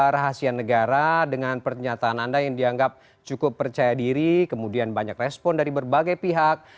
rahasia negara dengan pernyataan anda yang dianggap cukup percaya diri kemudian banyak respon dari berbagai pihak